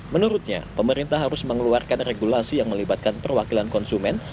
menurutnya pemerintah harus mengeluarkan regulasi yang melibatkan perwakilan konsumen